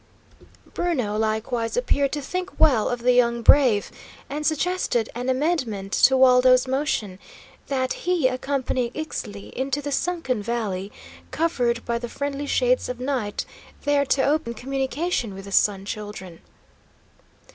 Bruno likewise appeared to think well of the young brave, and suggested an amendment to Waldo's motion, that he accompany Ixtli into the sunken valley, covered by the friendly shades of night, there to open communication with the Sun Children.